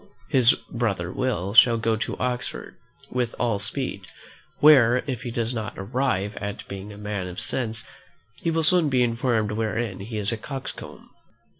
His brother Will shall go to Oxford with all speed, where, if he does not arrive at being a man of sense, he will soon be informed wherein he is a coxcomb.